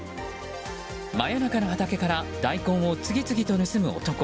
真夜中の畑から大根を次々と盗む男。